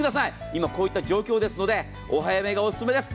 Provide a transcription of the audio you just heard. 今、こういった状況ですのでお早めがおすすめです。